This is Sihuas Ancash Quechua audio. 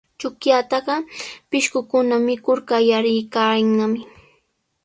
Chuqllataqa pishqukuna mikur qallariykannami.